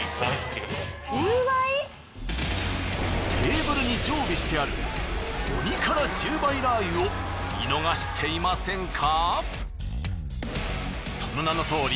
テーブルに常備してある鬼辛１０倍ラー油を見逃していませんか？